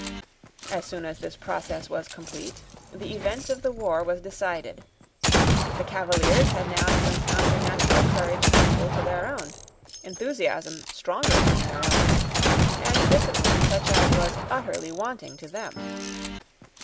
As soon as this process was complete, the event of the war was decided. The Cavaliers had now to encounter natural courage equal to their own, enthusiasm stronger than their own, and discipline such as was utterly wanting to them.